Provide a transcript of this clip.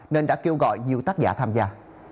nên đã kêu gọi nhiều tác giả tham gia